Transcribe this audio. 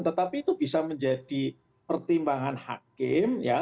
tetapi itu bisa menjadi pertimbangan hakim ya